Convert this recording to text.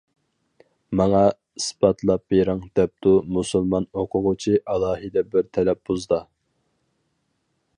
-ماڭا ئىسپاتلاپ بېرىڭ-دەپتۇ مۇسۇلمان ئوقۇغۇچى ئالاھىدە بىر تەلەپپۇزدا.